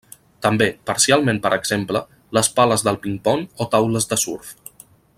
També, parcialment per exemple, les pales del ping-pong o taules de surf.